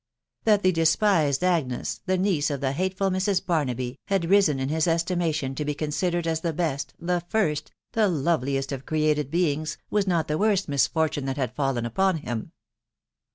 That the despised Agnes, the niece of the hateful Mrs. Barnaby, had risen in his estimation to be considered aa the best, the first, the loveliest of created beings, was not the wont misfortune that had fallen upon him.